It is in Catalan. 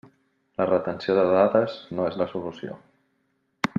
La retenció de dades no és la solució!